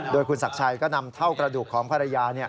โดยคุณศักดิ์ชัยก็นำเท่ากระดูกของภรรยา